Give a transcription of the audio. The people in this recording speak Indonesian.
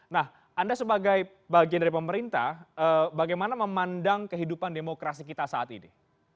nah anda sebagai bagian dari pemerintah bagaimana memandang kehidupan demokrasi kita saat ini